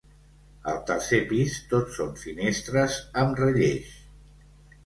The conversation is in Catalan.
Al tercer pis tot són finestres amb relleix.